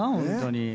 本当に。